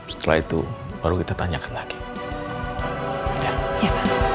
setelah itu baru kita tanyakan lagi